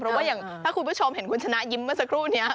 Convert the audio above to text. เพราะว่าอย่างถ้าคุณผู้ชมเห็นคุณชนะยิ้มเมื่อสักครู่นี้